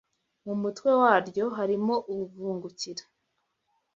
mumutwe waryo harimo ubuvungukira